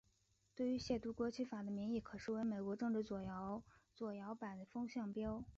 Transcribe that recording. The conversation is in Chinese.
对于亵渎国旗法的民意可视为美国政治左摇摆的风向标。